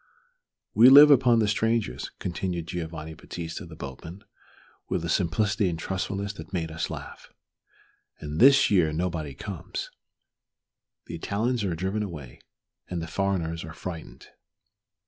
"We live upon the strangers," continued Giovanni Battista, the boatman, with a simplicity and truthfulness that made us laugh; "and this year nobody comes. The Italians are driven away, and the foreigners are frightened."